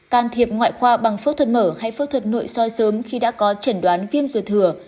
can thiệp ngoại khoa bằng phẫu thuật mở hay phẫu thuật nội soi sớm khi đã có chẩn đoán viêm ruột thừa